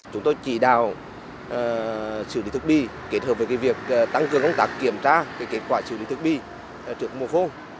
chúng tôi chỉ đào xử lý thức bi kết hợp với việc tăng cường công tác kiểm tra kết quả xử lý thức bi trước mùa khô